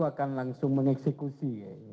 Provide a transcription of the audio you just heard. akan langsung mengeksekusi